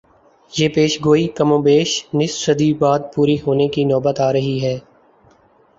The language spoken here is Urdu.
یہ پیشگوئی کم و بیش نصف صدی بعد پوری ہونے کی نوبت آ رہی ہے۔